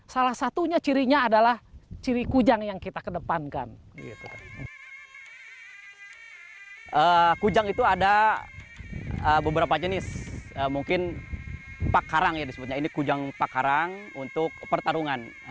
salah satunya cirinya adalah ciri kujang yang kita kedepankan